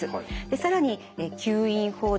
更に吸引法です。